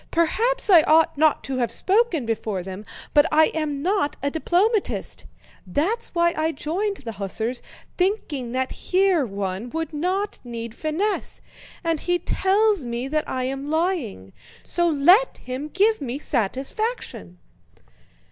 Perhaps I ought not to have spoken before them, but I am not a diplomatist. That's why I joined the hussars, thinking that here one would not need finesse; and he tells me that I am lying—so let him give me satisfaction..."